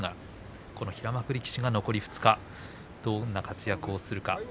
平幕力士が残り２日どんな活躍をするか。